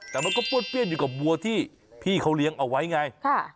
แต่มันก็ป้วนเปี้ยนอยู่กับวัวที่พี่เขาเลี้ยงเอาไว้ไง